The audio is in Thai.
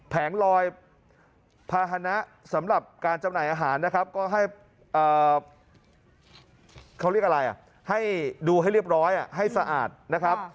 แงลอยภาษณะสำหรับการจำหน่ายอาหารนะครับก็ให้เขาเรียกอะไรให้ดูให้เรียบร้อยให้สะอาดนะครับ